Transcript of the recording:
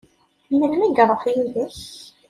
Melmi i iṛuḥ yid-k?